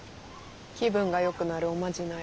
気分がよくなるおまじない。